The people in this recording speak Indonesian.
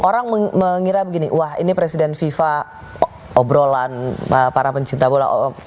orang mengira begini wah ini presiden fifa obrolan para pencinta bola